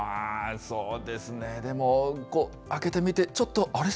そうですね、でも開けてみて、ちょっと、あれ？